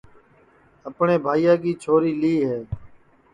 اپٹؔے بھائیا کی چھوری لی ہے